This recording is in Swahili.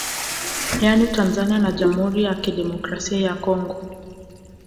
Yani Tanzania na Jamhuri ya Kidemokrasia ya Congo